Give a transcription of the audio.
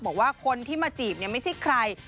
บอกว่าคนที่มาจีบไม่ใช่ใคร